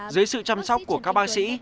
dưới sự chăm sóc của các bác sĩ